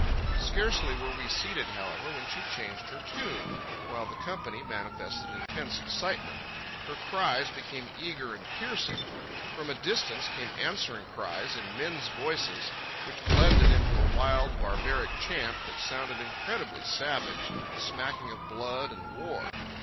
Scarcely were we seated, however, when she changed her tune, while the company manifested intense excitement. Her cries became eager and piercing. From a distance came answering cries, in men's voices, which blended into a wild, barbaric chant that sounded incredibly savage, smacking of blood and war.